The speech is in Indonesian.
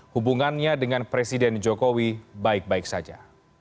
hubungannya dengan presiden jokowi baik baik saja